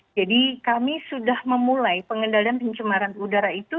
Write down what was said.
kami sudah memulai pengendalian pencemaran udara itu